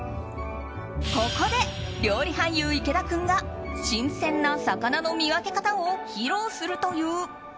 ここで料理俳優・池田君が新鮮な魚の見分け方を披露するという。